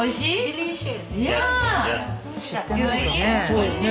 おいしい？